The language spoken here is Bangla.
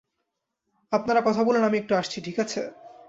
আপনারা কথা বলুন আমি একটু আসছি, ঠিক আছে?